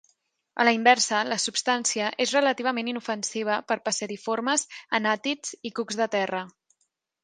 A la inversa, la substància és relativament inofensiva per passeriformes, anàtids i cucs de terra.